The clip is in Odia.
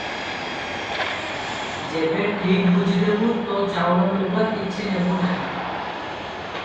ଯେବେ ଠିକ ବୁଝି ଦେବୁ, ତୋ ଚାଉଳ ଲୁଗା କିଛି ନେବୁଁ ନାହିଁ।"